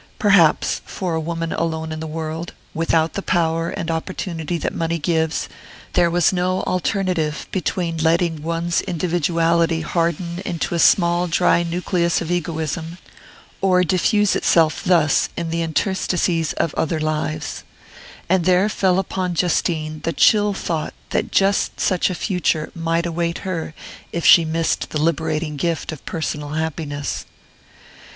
Perhaps, for a woman alone in the world, without the power and opportunity that money gives, there was no alternative between letting one's individuality harden into a small dry nucleus of egoism, or diffuse itself thus in the interstices of other lives and there fell upon Justine the chill thought that just such a future might await her if she missed the liberating gift of personal happiness....